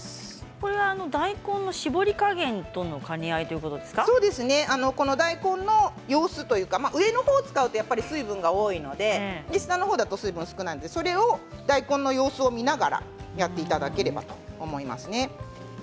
これは大根の絞り具合の兼ね合い大根の様子というか上の方を使うと水分が多いので下の方だと水分が少ないのでそれを大根の様子を見ながらやっていただければと思いますね。